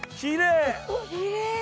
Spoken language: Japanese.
きれい。